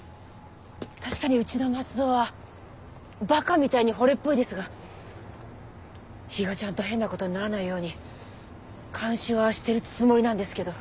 確かにうちの松戸はバカみたいにほれっぽいですが比嘉ちゃんと変なことにならないように監視はしてるつもりなんですけど。